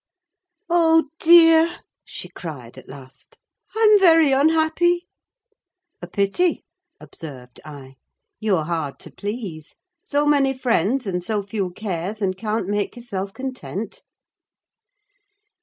"Oh, dear!" she cried at last. "I'm very unhappy!" "A pity," observed I. "You're hard to please; so many friends and so few cares, and can't make yourself content!"